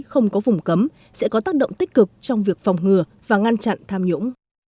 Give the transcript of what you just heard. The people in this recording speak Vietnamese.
không có vùng cấm sẽ có tác động tích cực trong việc phòng ngừa và ngăn chặn tham nhũng